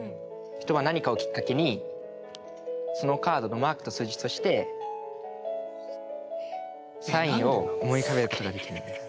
人は何かをきっかけにそのカードのマークと数字そしてサインを思い浮かべることができるんです。